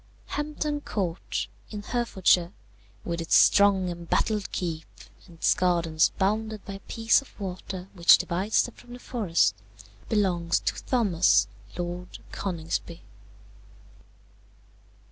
"Hampton Court, in Herefordshire, with its strong embattled keep, and its gardens bounded by a piece of water which divides them from the forest, belongs to Thomas, Lord Coningsby.